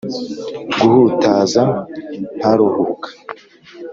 guhutaza ntaruhuka